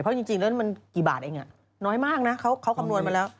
เพราะจริงแล้วมันกี่บาทเองน้อยมากนะเขาคำนวณมาแล้ว